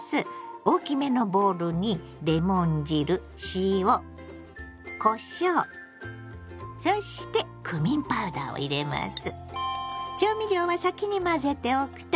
大きめのボウルにレモン汁塩こしょうそしてクミンパウダーを入れます。